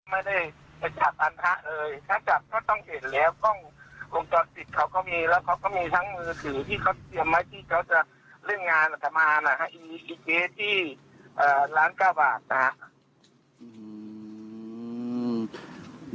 ไม่ได้กระจัดอันทะเอ้ยถ้ากับก็ต้องเห็นแล้วว่าลงจอดสิทธิ์เขาก็มี